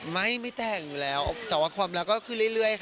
ไม่ไม่แต่งอยู่แล้วแต่ว่าความรักก็คือเรื่อยค่ะ